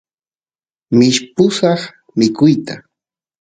mishpusaq mikuyta